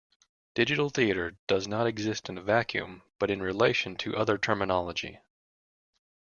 Digital theatre does not exist in a vacuum but in relation to other terminology.